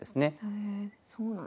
へえそうなんですね。